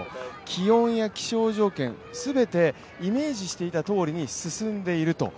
気温や気象条件、全てイメージしていたとおりに進んでいると。